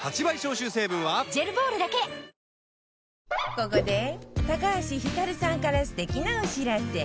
ここで橋ひかるさんから素敵なお知らせ